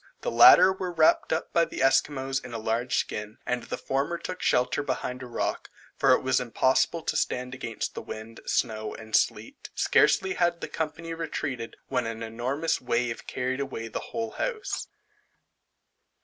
The latter were wrapt up by the Esquimaux in a large skin, and the former took shelter behind a rock, for it was impossible to stand against the wind, snow, and sleet. Scarcely had the company retreated, when an enormous wave carried away the whole house.